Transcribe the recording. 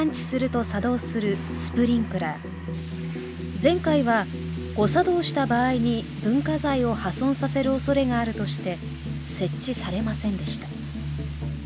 前回は誤作動した場合に文化財を破損させるおそれがあるとして設置されませんでした。